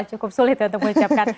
cukup sulit untuk mengucapkan